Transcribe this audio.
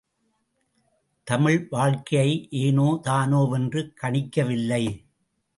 தமிழ் வாழ்க்கையை ஏனோ தானோவென்று கணிக்கவில்லை.